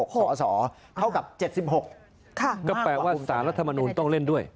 เข้ากับ๗๖ค่ะมากกว่าภูมิใจไทยไม่ได้จริงก็แปลว่าสารรัฐมนูลต้องเล่นด้วย